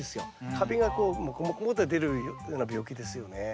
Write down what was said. カビがこうモコモコって出るような病気ですよね。